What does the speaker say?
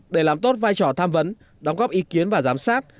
để làm tốt vai trò tham vấn đóng góp ý kiến và giám sát